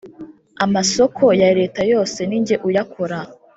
amasoko ya leta yose ninjye uyakora